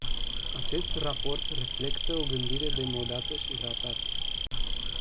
Acest raport reflectă o gândire demodată și ratată.